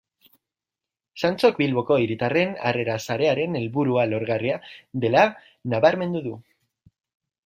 Santxok Bilboko Hiritarren Harrera Sarearen helburua lorgarria dela nabarmendu du.